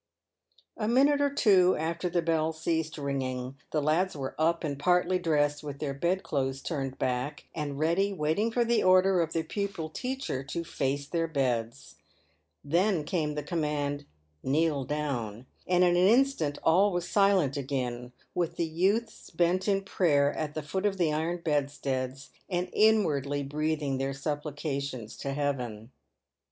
A minute or two after the bell ceased ringing the lads were up and partly dressed, with their bedclothes turned back, and readj waiting for the order of the pupil teacher to " face their beds." Then came the command, "Kneel down," and in an instant all was silent again, with the youths bent in prayer at the foot of the iron bedsteads, and inwardly breathing their supplications to Heaven.